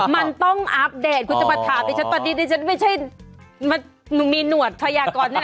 มันต้องอัปเดตคุณจะมาถามดิฉันตอนนี้ดิฉันไม่ใช่หนูมีหนวดพยากรแน่